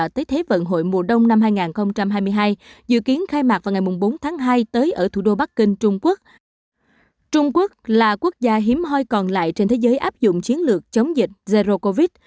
trung quốc là quốc gia hiếm hoi còn lại trên thế giới áp dụng chiến lược chống dịch zerocovid